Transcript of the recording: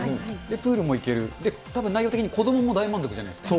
プールも行ける、たぶん内容的に子どもも大満足じゃないですか。